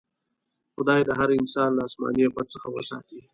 خدای دې هر انسان له اسماني افت څخه وساتي.